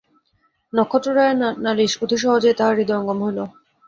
নক্ষত্ররায়ের নালিশ অতি সহজেই তাঁহার হৃদয়ঙ্গম হইল।